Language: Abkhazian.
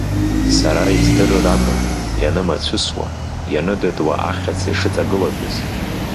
Сара издырыр акәын, ианымацәысуа, ианыдыдуа ахьаца ишыҵагылатәыз.